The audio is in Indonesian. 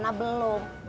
lu kesana belum